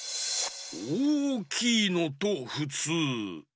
おおきいのとふつう。